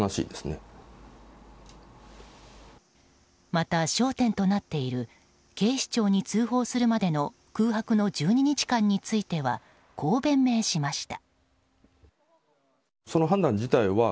また、焦点となっている警視庁に通報するまでの空白の１２日間についてはこう弁明しました。